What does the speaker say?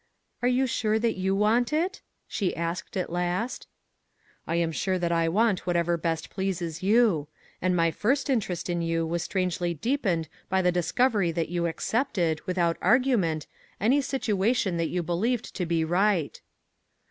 " Are you sure that you want it? " she asked at last. " I am sure that I want whatever best pleases you ; and my first interest in you was strangely deepened by the discovery that you accepted, without argument, any situation that you be lieved to be right."